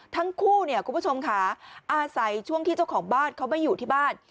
ทั้งคู่เนี่ยคุณผู้ชมค่ะอาศัยช่วงที่เจ้าของบ้านเขาไม่อยู่ที่บ้าน